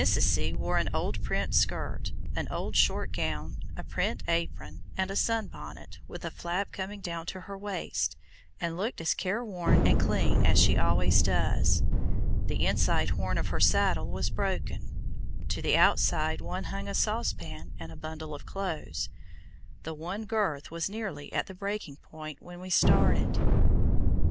C. wore an old print skirt, an old short gown, a print apron, and a sun bonnet, with a flap coming down to her waist, and looked as careworn and clean as she always does. The inside horn of her saddle was broken; to the outside one hung a saucepan and a bundle of clothes. The one girth was nearly at the breaking point when we started.